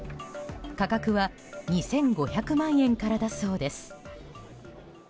価格は２５００万円からだそうです。